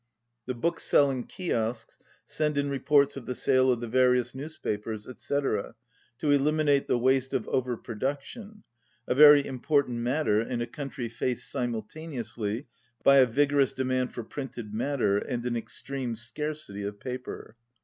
The bookselling kiosks send in reports of the sale of the various newspapers, etc., to elimi nate the waste of over production, a very impor tant matter in a country faced simultaneously by a vigorous demand for printed matter and an ex treme scarcity of paper.